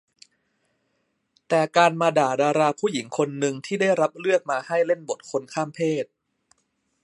แต่การมาด่าดาราผู้หญิงคนนึงที่ได้รับเลือกมาให้เล่นบทคนข้ามเพศ